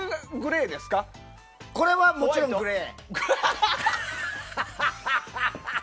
これはもちろんグレー。